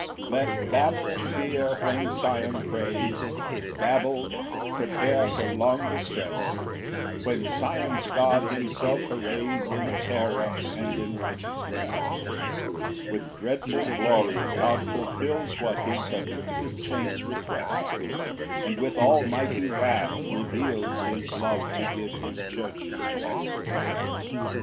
5 Let Babel fear when Sion prays; Babel, prepare for long distress When Sion's God himself arrays In terror, and in righteousness. 6 With dreadful glory God fulfils What his afflicted saints request; And with almighty wrath reveals His love to give his churches rest.